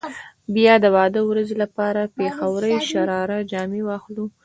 بيا به د واده ورځې لپاره پيښورۍ شراره جامې واخلو.